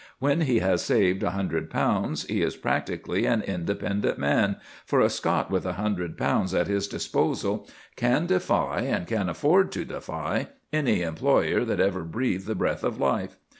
When he has saved a hundred pounds, he is practically an independent man, for a Scot with a hundred pounds at his disposal can defy, and can afford to defy, any employer that ever breathed the breath of life.